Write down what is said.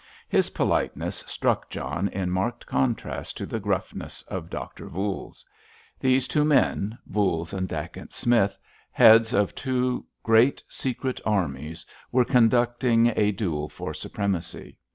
His politeness struck John in marked contrast to the gruffness of Doctor Voules. These two men, Voules and Dacent Smith, heads of two great secret armies, were conducting a duel for supremacy.